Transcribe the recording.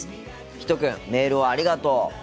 ひとくんメールをありがとう。